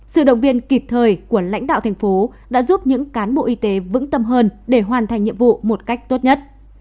sự động viên kịp thời của lãnh đạo thành phố đã giúp những cán bộ y tế vững tâm hơn để hoàn thành nhiệm vụ một cách tốt nhất